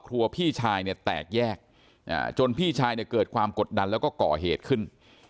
พี่ชายเนี่ยแตกแยกจนพี่ชายเนี่ยเกิดความกดดันแล้วก็ก่อเหตุขึ้น